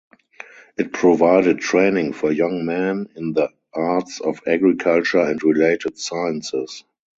It provided training for young men in the arts of agriculture and related sciences.